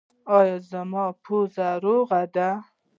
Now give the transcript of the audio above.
ایا زما پوزه روغه ده؟